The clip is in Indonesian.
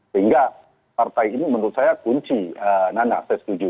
sehingga partai ini menurut saya kunci nana saya setuju